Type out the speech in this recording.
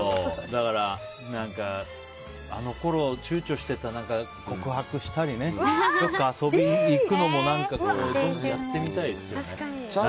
だからあのころちゅうちょしてた告白したりとか遊びに行くのもやってみたいですよね。